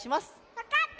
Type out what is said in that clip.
わかった！